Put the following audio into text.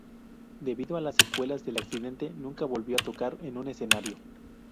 Debido a las secuelas del accidente, nunca volvió a tocar en un escenario.